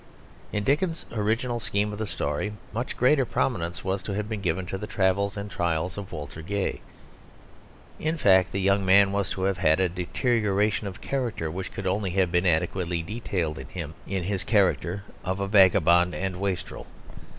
In Dickens's original scheme of the story, much greater prominence was to have been given to the travels and trials of Walter Gay; in fact, the young man was to have had a deterioration of character which could only have been adequately detailed in him in his character of a vagabond and a wastrel.